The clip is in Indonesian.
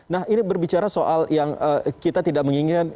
nah ini berbicara soal yang kita tidak menginginkan